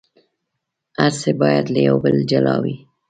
هر څه باید له یو بل جلا وي.